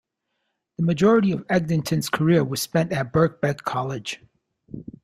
The Majority of Edgington's career was spent at Birkbeck College.